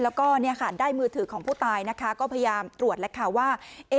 แล้วก็ได้มือถือของผู้ตายนะคะก็พยายามตรวจแล้วค่ะว่า